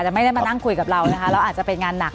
แต่ไม่ได้มานั่งคุยกับเรานะคะแล้วอาจจะเป็นงานหนัก